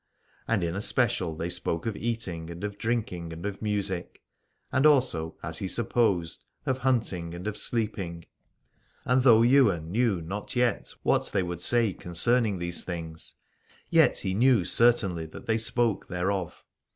And in especial they spoke of eat ing and of drinking and of music : and also, as he supposed, of hunting and of sleeping. And though Ywain knew not yet what they 190 Aladore would say concerning these things, yet he knew certainly that they spoke thereof.